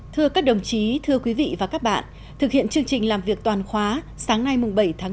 thưa các đồng chí thưa quý vị và các bạn thực hiện chương trình làm việc toàn khóa sáng nay bảy tháng năm